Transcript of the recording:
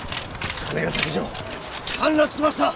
金ヶ崎城陥落しました！